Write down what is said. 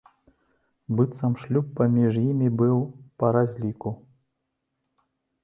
Быццам, шлюб паміж імі быў па разліку.